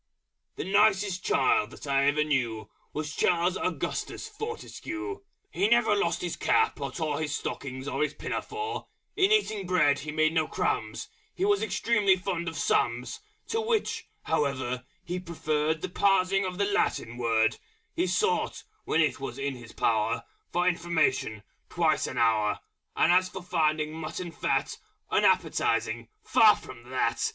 _ The nicest child I ever knew Was Charles Augustus Fortescue. He never lost his cap, or tore His stockings or his pinafore: In eating Bread he made no Crumbs, He was extremely fond of sums, To which, however, he preferred The Parsing of a Latin Word He sought, when it was in his power, For information twice an hour, And as for finding Mutton Fat Unappetising, far from that!